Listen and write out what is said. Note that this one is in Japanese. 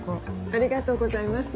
ありがとうございます。